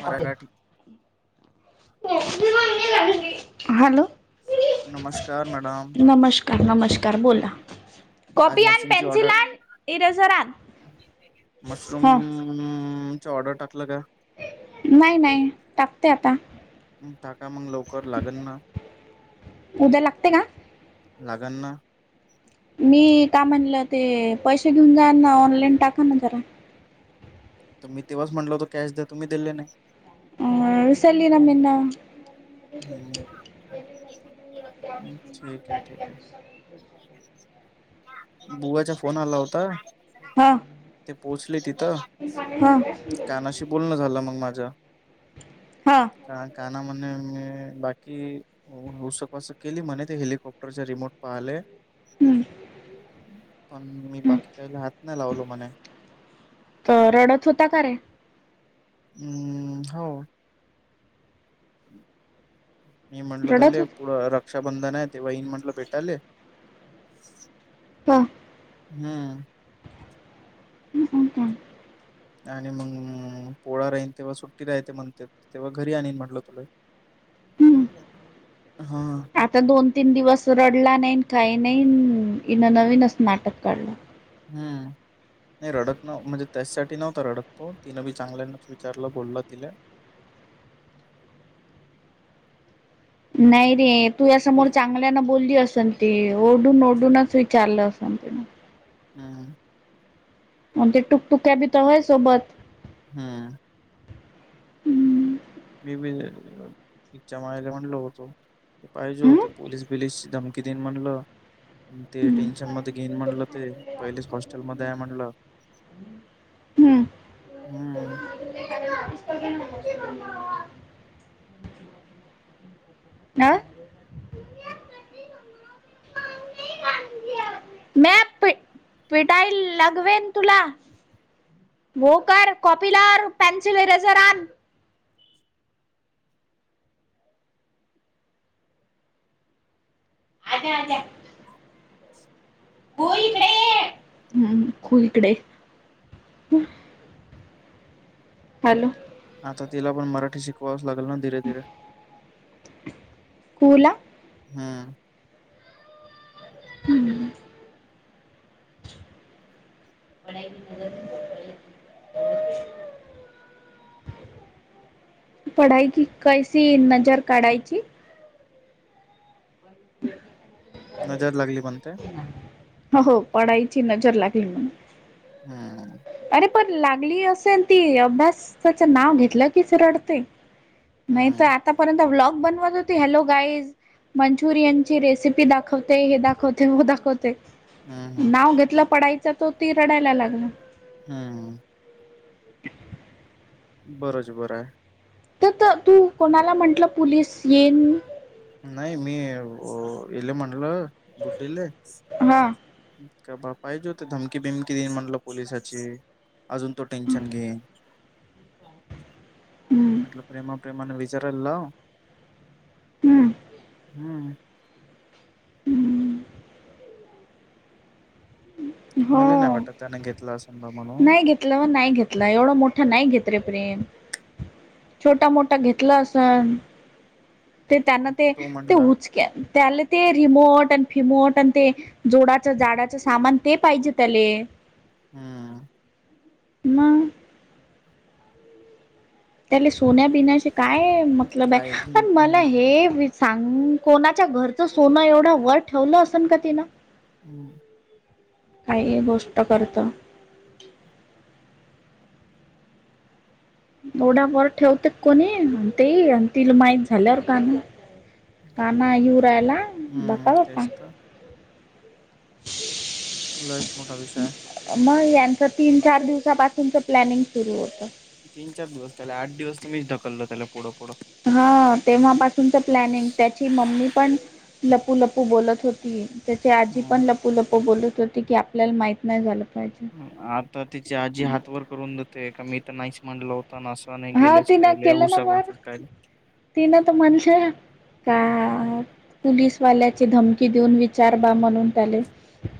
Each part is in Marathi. मराठी हॅलो. नमस्कार मॅडम. नमस्कार नमस्कार बोला. आज कॉपी आण मशरूमची पेन्सिल ऑर्डर आण इरेजर आण हो. हम्म चा ऑर्डर टाकलं का? नाही, नाही टाकते आता. टाका मग लवकर लागण ना, उद्या लागते का लागण ना. मी काय म्हणलं ते पैसे घेऊन जा ना ऑनलाईन टाका ना जरा. तर मी तेव्हाच म्हंटल होत कॅश द्या, तुम्ही दिले नाही. अ विसरली ना मी मग. हम्म, ठीक आहे, ठीक आहे. बुवाचा फोन आला होता. हा ते पोहोचले तिथं. हा कानाशी बोलणं झालं मग माझं. हा. हा कान्हा म्हणे मी हं बाकी उस पास केली म्हणे ते हेलिकॉप्टरचे रिमोट पहाले. हम्म, पण मी हम्म. बाकी काहीला हात नाही लावलो म्हणे. तो रडत होता का रे? हम्म हो. मी म्हटलो रडत तले होता पुढं र रक्षाबंधन आहे तेव्हा येईन म्हटलं भेटाले. तो हम्म. हो का? आणि मग पोळा राहीन तेव्हा सुट्टी राहते म्हणतेत, तेव्हा घरी आनीन म्हटलं तुले. हम्म. हा. आता दोन तीन दिवस रडला नाहीन काही नाही. हिन नवीनच नाटक काढलं. हम्म. नाही रडत न म्हणजे त्याचसाठी नव्हता रडत तो. तिनं बी चांगल्यानच विचारलं बोललो तिले. नाही रे तूया समोर चांगल्यान बोलली असनं ती. ओरडून, ओरडूनच चारल असंन तीनं. हम्म. म्हणते टुकटुक्या बी तल होय सोबत. हम्म. हम्म मी बी इथे इच्या मायाला म्हणलो होतो. पाहिजे होतो हम्म पोलीस. पोलीस ची धमकी देईन म्हणलं. ते टेन्शन मध्ये घेईन म्हणलं ते, पहिलेच हॉस्टेलमध्ये आहे म्हणलं. हम्म हम्म. [inaudible] अ पिटाईल लागवेन तुला. वो कर कॉपीला ओर पेन्सिल इरेझर आण. [unintelligible] [unintelligible] हम खु इकडे हॅलो. आता तिला पण मराठी शिकवावच लागल ना, धीरे धीरे. खुला. हम्म. हम्म. [unintelligible] पडायची कैसी नजर काढायची. [inaudible] नजर लागली बणते. हो, पढायची नजर लागली म्हणून. ह.. अरे पण लागली असेल, ती अभ्यासाच नाव घेतलं कीच रडते‌. नाही तर हम्म. आतापर्यंत ब्लॉग बनवत होती. हॅलो गाईज, मंचुरियन ची रेसिपी दाखवते हे दाखवते हो दाखवते. हम्म. हम्म. नाव घेतलं पडायच तर, ती रडायला लागलं. हम्म. बरंच बरं आहे. तर तू कोणाला म्हंटलं पुलीस येईन. नाही मी इले म्हटलं गुड्डी ले. हा. का बाप पाहिजे होती. धमकी बिमकी देईन म्हटलं पोलिसाची. अजून तु टेन्शन घे. हम्म म्हटलं प्रेमा-प्रेमाण विचारला लाव. हम्म. हम्म. हम्म. हो मला नाही वाटत त्याने घेतलं, असं बा म्हणून. नाही घेतलं व नाही घेतला, एवढं मोठं नाही घेत रे प्रेम. छोटा मोठा घेतला आसन. ते त्यांना ते तो ते म्हटला उचके, त्याला ते रिमोट आणि भिमोट आणि ते. जोडाच्या झाडाच सामान ते पाहिजे तले. हम्म. मग, त्याले सोन्या बिण्याचे काय मतलब आहे. काय घेन पण मला घेन देन. हे, सांग, कोणाच्या घरचं सोनं एवढं वर ठेवलं असल का तिनं. हम्म. काही गोष्ट करत. एवढा वर ठेवते कोणी ते, आणि तिला माहीत झाल्यावर का नाही. काना येऊ रायला हम्म. बपा बपा. तेच तर लईच मोठा विषय. मग यांचं तीन चार दिवसापासूनच प्लॅनिंग सुरू होत. तीन चार दिवस त्याला, आठ दिवस तर मीच ढकलो त्याला पुढं पुढं. हां, तेव्हापासूनच प्लॅनिंग त्यांची मम्मी पण. लपू लपू बोलत होती. त्याचे आजी हम्म. पण लपू लपू बोलत होती की, आपल्याला माहीत नाही झालं. पाहिजे आता तिची आजी हात वर करून देतेय का, मी तर नाहीच मंडल होता ना अस. का नाही हा गेलेच काय ले, ऊसर वाढते काय ले. तिन तर म्हणषा. का पुलीसवाल्याची धमकी देऊन, विचारनार म्हणून त्याले.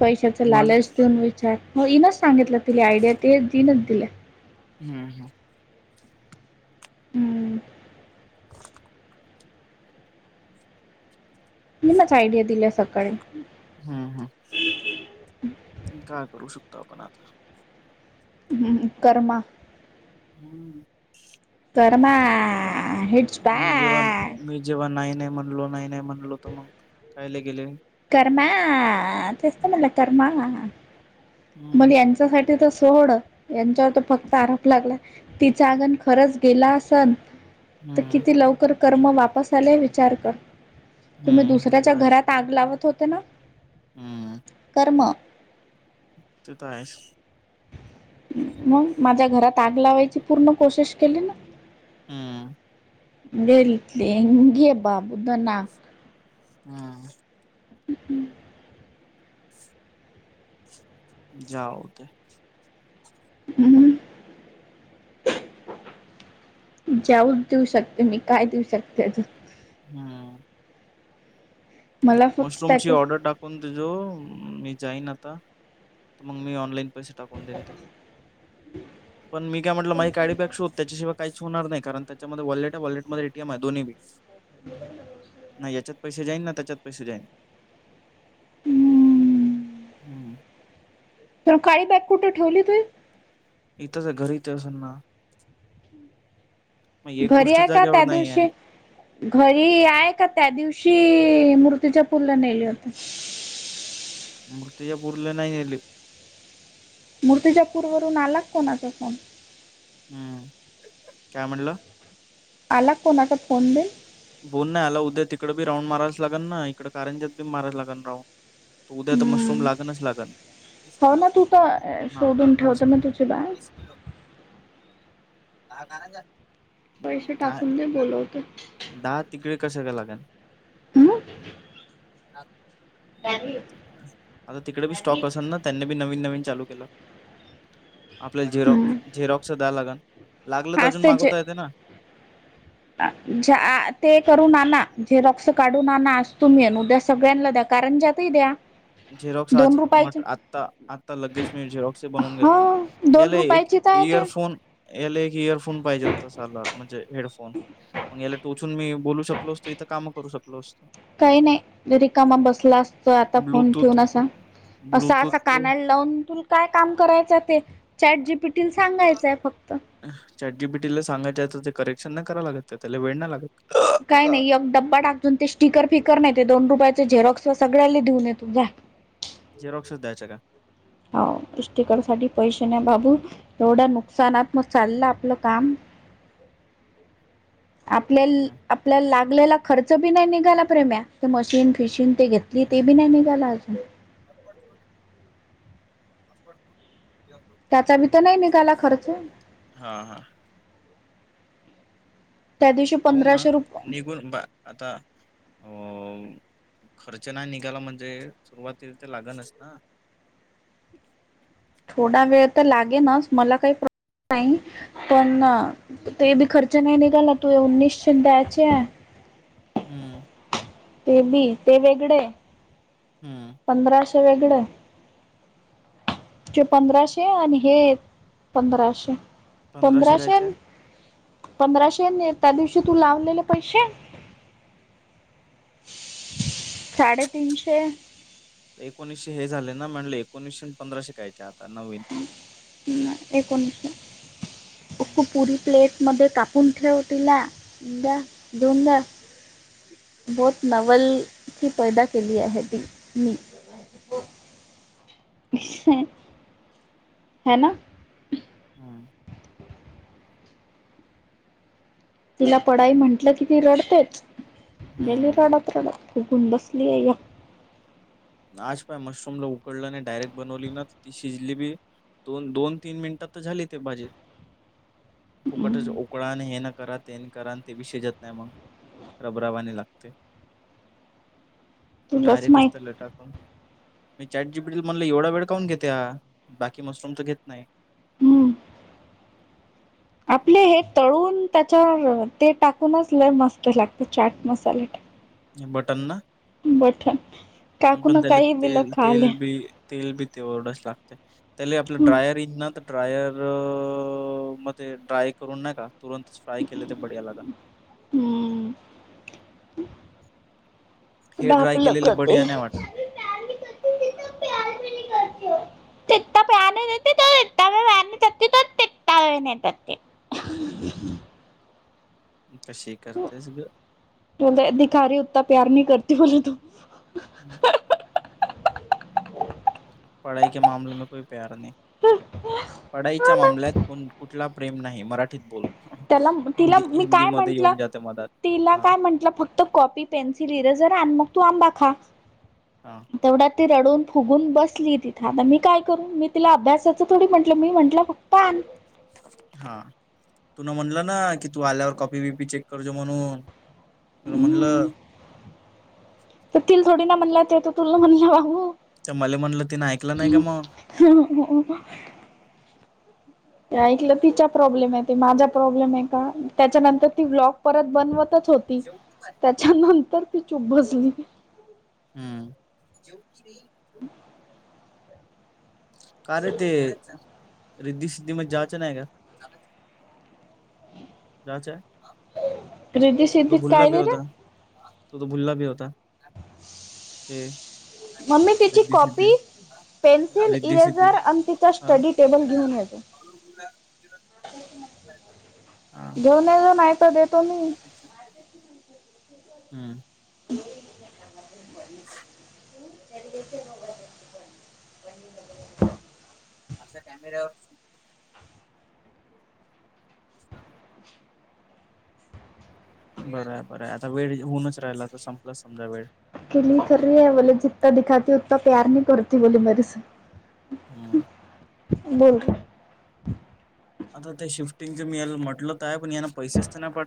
पैशाचा म्हण लालच देऊन विचार, इनच सांगितलं तिला आयडिया ते दिनच दिले. हम्म हम. हम्म. मीनच आयडिया दिल्या सकाळी. हम् हम, काय करू शकतो आपण आता. हम्म कर्मा. हम्म. कर्मा हिच बा मी जेव्हा मी जेव्हा नाही नाही, म्हणलो नाही नाही म्हणलो, तर मग कायला गेले. करणा तस म्हणला करणा. हम्म मग यांच्यासाठी तर सोड, यांच्यावर त फक्त आरोप लागला तिचं आंगण खरंच. केला असल, तर हम्म किती लवकर कर्म वापस आले विचार कर. तुम्ही हम्म ते तर दुसऱ्याच्या आहेच घरात आग लावत होते ना. हम्म. अ म. ते तर आहेस. मग माझ्या घरात आग लावायची पूर्ण कोशिश केली ना. हम्म. देेलितली हंगे बाबुद्ध ना. हा. ह् हम्. जाऊ दे. हम्म. जाऊ देऊ शकते, मी काय देऊ शकते आता. हम्म. मला फक्त त्याच मशरूमची ऑर्डर टाकून देजो. मी जाईन आता तर मग मी ऑनलाईन. पैशे टाकून दिन ते, पण मी काय म्हटलं माझं काळी बॅग शोध तेच्याशिवाय. काहीच होणार नाही कारण, त्याच्यामध्ये वॉलेट ये वाॅलेटमध्ये एटीएम आहे दोन्ही बी नाही याच्यात. पैसे जाईन ना, त्यांच्यात पैसे जाईन हम्म. तु काळी बॅग कुठे ठेवली ती. इथं तर घरी ते असल ना. मग एक घरी गोष्ट आहे का जाग्यावर त्या नाही आहे दिवशी. घरी आहे का, त्या दिवशी मूर्तीच्या फुलं नेले होती. मृत्यच्या पुरलं नाही घ्येलये. मूर्तीच्या पूरवरून आला कोणाचा फोन. हम्म, काय म्हणला. आला कोणाचा फोन बिन. बोल नाही आला. उद्या तिकडे बी राऊंड माराय लागल ना, इकडे कारच्यात बी माराय लाग ना राऊं. उद्या तर मशरूम हम्म. लागनच लागन. वीस हो किलो ना, तू तर ना शोधून दहाच ठेवत ना तुझी बॅग. [unintelligible] नाय. हो का. दहा तिकडे कशा का लागल. हम्म? आता तिकडे बी स्टॉक असेल ना, त्यांनी बी नवीन नवीन चालू केलं. आपल्याला झेरॉ हम्म. झेरॉक्स द्या लागन लागलं तर आज अजून मागवता येते ना ज आ, आ ते करून आणा झेरॉक्स काढून आणा आज तुम्ही आणि उद्या सगळ्यांना द्या कारण ज्या ति द्या. झेरॉक्स आज दोन रुपयाची मट आत्ता, आत्ता लगेज मी झेरॉक्स बनवून हा घेतो. दोन याला एक रुपयाची तर आहे ते इयरफोन याला एक इयरफोन पाहिजे होत साला म्हणजे हेडफोन मंग याला टू मी बोलू शकलो असतो तर, इथ काम करू शकलो असतो. काही नाही जर रिकामा बसला असत आता फोन ब्लूटूथ ठेवून असा अस असा ब्लूटूथ कानाला लावून तुला काय काम करायचं ते चॅट जी पी टी ला सांगायचंय फक अ चॅट जी पी टी ला सांगायच्या तर ते करेक्शन ना कराव लागत ते त्याला वेळ नाही लागत काही का नाही ह्यो डब्बा टाकून ते स्टिकर, फिकर नाहीे ते दोन रुपयाचे झेरॉक्स सगळ्याला देऊन ये तू जा जेरॉक्सच द्यायचा काय हाव स्टिकरसाठी पैसे नाई बाबू एवढ्या नुकसानातन चाललंय आपलं काम आपल्याल आपल्याला लागलेला खर्च बी नाही निघाला प्रेम्या ते मशीन फिशीनं ते घेत ते हम्म. बी नाही निघालं अजून [unintelligible] त्याचा बी तर नाही निघाला खर्च त्या हा, हा दिवशी पाहू ना पंधराशे रुप निघून आता अं खर्च नाही निघाला म्हणजे सुरुवातीला ते लागलचं ना थोडा वेळ तर लागेनच मला काही प्रॉब्लेम नाही पण हम्म अ ते बी खर्च नाही निघाला त अ उनीसशे द्यायचे आहे हम्म ते बी ते वेगळे आहे हम्म पंधराशे वेगळे ते पंधराशे आणि हे पंधराशे, पंधराशे आणि पंधराशे आणि त्या दिवशी तू लावलेले पैशे साडे तीनशे एकोणीसशे हे झाले ना म्हणले एकोणीसशे पंधराशे काय ते आता नवीन अ नाय एकोणीस फक्त हम्म पुरी प्लेट मध्ये कापून ठेव तिला द्या दिऊन द्या बहुत नवल ती पैदा केली आहे ती मी काय हे ना ह्म्म तिला पडाई म्हंटलं कि ती रडतेच गेली हम्म. रडत, रडत फुगुन बसली आहे आज काय मशरूमला उकडलं डायरेक्ट बनवली ना ती शिजली बी तोन दोन, तीन मिंट तर झाली ते भाजी [inaudible] फुकटच उकडा आणि हे ना करा ते न करा आणि ते बी शिजत नाही मंग रबरावाने लागते [inaudible] डायरेकच माहित त्याला टाक मी चॅट जी पी टी म्हणलं एवढा वेळ कावून घेते हा बाकी मशरूम तर घेत नाही हम्म. आपले हे तळून त्याच्यावर ते टाकूनच लंय मस्त लागते चाट मसाले टा हे बटन ना बटन टाकून बंद झाले काही दिलं तेल, खाले तेल बी तेल बी तेवढच लागते त्याला आपल्या ड्रायर इना तर ड्रायरमध्ये ड्रायकरून नाही का तुरंतच फ्राय केलं तर बढिया लागलं. हम्म. हे ड्राय ढापल केलेले का ते? बढिया नाही वाटत [unintelligible] [unintelligible] [unintelligible] कशी करतेस ग? बोले दिखा रही उत्ता प्यार नही करते बोले तू. हम्म. पढाई के मामले मे कोई प्यार नही. हा पढाईच्या ना मामल्यात कोण कुठला प्रेम नाही, मराठीत बोल. त्याला तिला हिंदी मी काय हिंदीमध्ये म्हटलं? येऊन जाते मधात तिला हा काय म्हंटलं फक तो कॉपी, पेन्सिल, इरेजर आण, मग तू आंबा खा. हा. ‌ तेवढ्यात ती रडून फुगून बसली तिथं आता मी काय करू? मी तिला अभ्यासाचं थोडी म्हटलं‌. मी म्हंटलं फक्त पण हा. तुन म्हणलं ना, ‌की तू आल्यावर कॉपी बिपी चेक करजो म्हणून तुन हम्म म्हणलं. तर तिल थोडी ना म्हणला ते तर तुला ना म्हणलं वाहू. तर मले म्हटलं तिने ऐकलं नाही का मग? [unintelligible] ते ऐकलं तिच्या प्रॉब्लेम आहे ते माझा प्रॉब्लेम आहे का? त्याच्यानंतर ती ब्लॉक परत बनवतच होती, त्याच्यानंतर ती चूप बसली. हम्म. [inaudible] का रे ते रिद्ध सिद्धीमध्ये जायचं नाही का? जायच आहे. रितीश तु तर रितीश भुल्ला काय भी होता, रे तु तर भुल्ला भी होता. हे मम्मी तिची Riddhi Siddhi copy pencil, Riddhi Siddhi eraser आणि तिचा हा स्टडी टेबल घेऊन येतो. [inaudible] हा. दोनेजण हाय तर देतो मी. हम्म. [inaudible] [inaudible] असं कॅमेरावरच पुस्तके बर हाय, बर हाय. आता वेळ होऊनच राहिला तर संपलाच समजा वेळ. किली करी आहे बोले जित्ता दिखाती उत्ता प्यार नाही करती बोली मेरे से. हम्म. बोल ना. आता ते शिफ्टिंगच मी याला म्हंटल तर आहे पण याना पैसेच तर नाही पाट